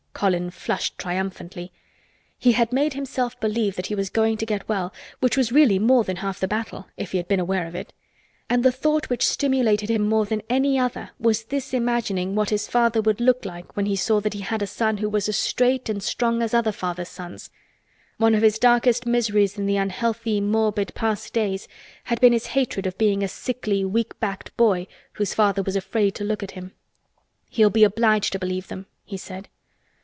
Colin flushed triumphantly. He had made himself believe that he was going to get well, which was really more than half the battle, if he had been aware of it. And the thought which stimulated him more than any other was this imagining what his father would look like when he saw that he had a son who was as straight and strong as other fathers' sons. One of his darkest miseries in the unhealthy morbid past days had been his hatred of being a sickly weak backed boy whose father was afraid to look at him. "He'll be obliged to believe them," he said.